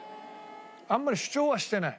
あんまり主張はしてない。